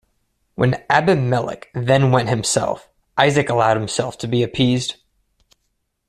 When Abimelech then went himself, Isaac allowed himself to be appeased.